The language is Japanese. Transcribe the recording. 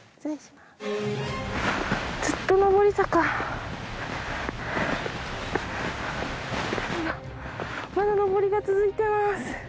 まだ上りが続いてます。